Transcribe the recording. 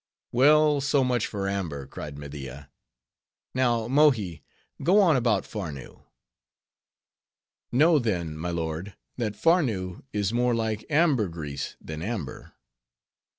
"Well, so much for amber," cried Media. "Now, Mohi, go on about Farnoo." "Know, then, my lord, that Farnoo is more like ambergris than amber."